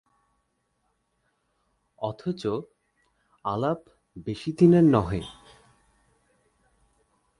অথচ আলাপ বেশিদিনের নহে।